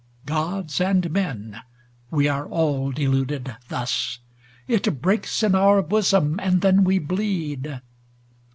Gods and men, we are all deluded thus ! It breaks in our bosom and then we bleed.